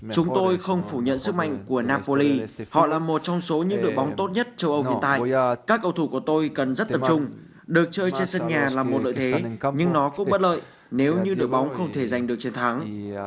chúng tôi không phủ nhận sức mạnh của nam vua lý họ là một trong số những đội bóng tốt nhất châu âu hiện tại các cầu thủ của tôi cần rất tập trung được chơi trên sân nhà là một lợi thế nhưng nó cũng bất lợi nếu như đội bóng không thể giành được trên tháng